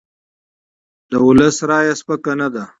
د ولس رایه سپکه نه ده